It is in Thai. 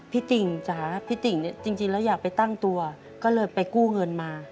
พี่ติ๋งจ๊ะพี่ติ๋งจริงแล้วอยากไปตั้งตัวก็เลยไปกู้เงินมา